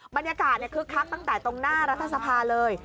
บรรยากาศคึกคักตั้งแต่ตรงหน้ารัฐสภาเลย